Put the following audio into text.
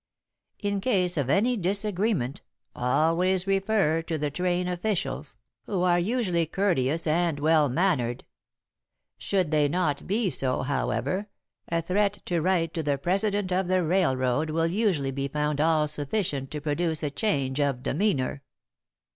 In case of any disagreement, always refer to the train officials, who are usually courteous and well mannered. Should they not be so, however, a threat to write to the President of the railroad will usually be found all sufficient to produce a change of demeanour.